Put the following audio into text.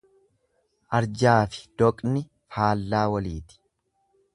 Arjaafi doqni faallaa waliiti.